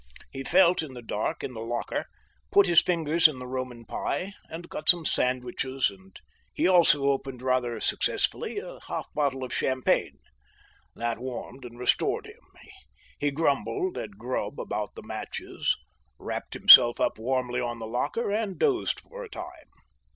He felt, in the dark, in the locker, put his fingers in the Roman pie, and got some sandwiches, and he also opened rather successfully a half bottle of champagne. That warmed and restored him, he grumbled at Grubb about the matches, wrapped himself up warmly on the locker, and dozed for a time.